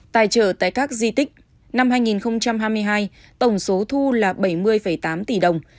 tài trợ tại các di tích năm hai nghìn hai mươi hai tổng số thu là bảy mươi tám tỷ đồng